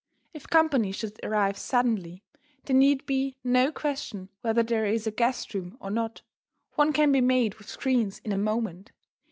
If company should arrive suddenly, there need be no question whether there is a guest room or not. One can be made with screens in a moment.